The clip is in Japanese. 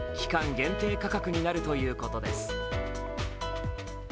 限定価格になるということです。